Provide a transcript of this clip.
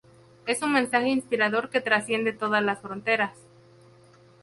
Es un mensaje inspirador que trasciende todas las fronteras.